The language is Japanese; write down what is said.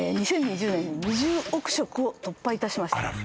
２０２０年に２０億食を突破いたしました